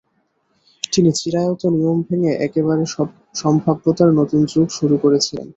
তিনি চিরায়ত নিয়ম ভেঙে একেবারে সম্ভাব্যতার নতুন যুগ শুরু করেছিলেন।